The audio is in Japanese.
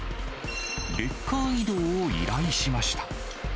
レッカー移動を依頼しました。